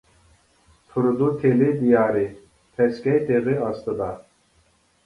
تۇرىدۇ تېلى دىيارى، تەسكەي تېغى ئاستىدا.